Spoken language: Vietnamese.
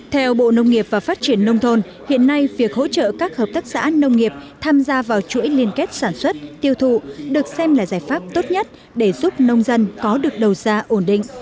theo bộ nông nghiệp và phát triển nông thôn hiện nay việc hỗ trợ các hợp tác xã nông nghiệp tham gia vào chuỗi liên kết sản xuất tiêu thụ được xem là giải pháp tốt nhất để giúp nông dân có được đầu ra ổn định